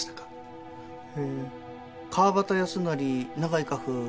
えー川端康成永井荷風